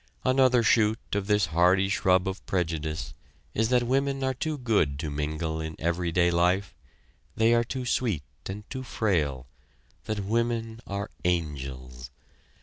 Another shoot of this hardy shrub of prejudice is that women are too good to mingle in everyday life they are too sweet and too frail that women are angels.